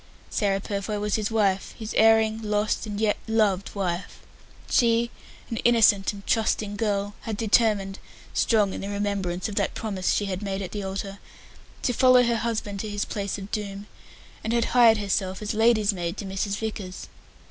Sarah Purfoy was his wife his erring, lost and yet loved wife. She, an innocent and trusting girl, had determined strong in the remembrance of that promise she had made at the altar to follow her husband to his place of doom, and had hired herself as lady's maid to Mrs. Vickers.